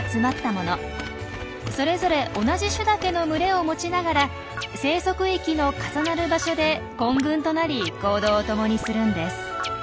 それぞれ同じ種だけの群れを持ちながら生息域の重なる場所で混群となり行動を共にするんです。